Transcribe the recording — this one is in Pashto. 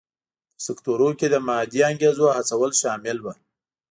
په سکتورونو کې د مادي انګېزو هڅول شامل و.